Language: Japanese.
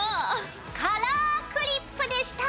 カラークリップでした！